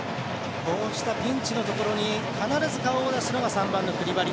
こうしたピンチのところに必ず顔を出すのが３番のクリバリ。